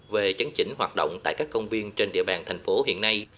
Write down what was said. về chấn chỉnh hoạt động tại các công viên trên địa bàn thành phố hiện nay